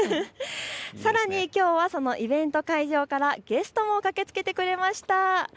さらにきょうはイベント会場からゲストも駆けつけてくれました。